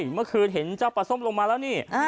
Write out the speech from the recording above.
เมื่อคืนเห็นเจ้าปลาส้มลงมาแล้วนี่